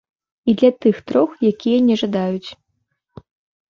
І для тых трох, якія не жадаюць.